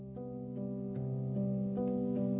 jadi ibu bisa ngelakuin ibu bisa ngelakuin